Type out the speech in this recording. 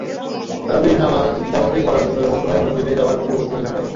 তারাবির নামাজ জামাতে পড়ার জন্য যথাসময়ে মসজিদে যাওয়ার পূর্বপ্রস্তুতি থাকতে হবে।